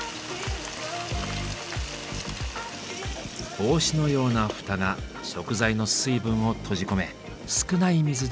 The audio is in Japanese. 帽子のような蓋が食材の水分を閉じ込め少ない水で調理ができる。